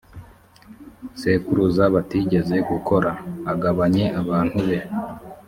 sekuruza batigeze gukora agabanye abantu be